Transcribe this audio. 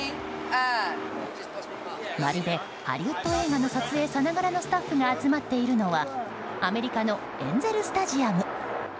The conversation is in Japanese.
まるでハリウッド映画の撮影さながらのスタッフが集まっているのはアメリカのエンゼル・スタジアム。